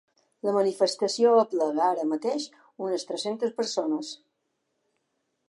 La manifestació aplega ara mateix unes tres-centes persones.